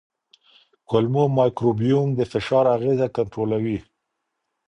کولمو مایکروبیوم د فشار اغېزه کنټرولوي.